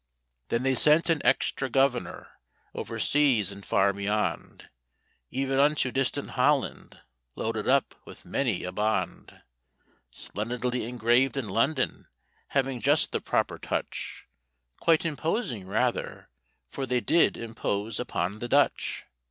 Then they sent an ex tra Governor over seas and far beyond, Even unto distant Holland, loaded up with many a bond, Splendidly engraved in London, having just the proper touch Quite imposing—rather—for they did impose upon the Dutch.